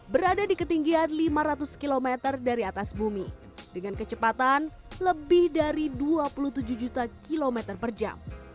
berada di ketinggian lima ratus km dari atas bumi dengan kecepatan lebih dari dua puluh tujuh juta kilometer per jam